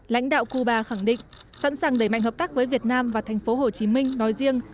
lãnh đạo cuba khẳng định sẵn sàng đẩy mạnh hợp tác với việt nam và thành phố hồ chí minh nói riêng